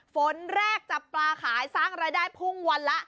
ฝนแรกจับปลาขายสร้างรายได้พุ่งวันละ